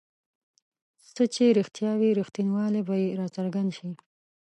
څه چې رښتیا وي رښتینوالی به یې راڅرګند شي.